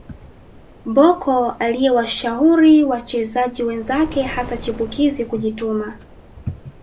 Bocco aliyewashauri wachezaji wenzake hasa chipukizi kujituma